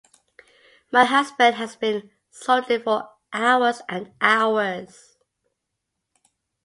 My husband has been soldering for hours and hours.